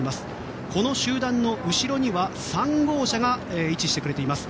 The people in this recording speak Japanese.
この集団の後ろには３号車が位置してくれています。